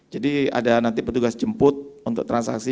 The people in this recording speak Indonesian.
jadi ada nanti petugas jemput untuk transaksi